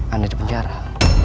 anda di penjara